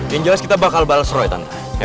yang jelas kita bakal bales roy tante